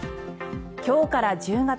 今日から１０月。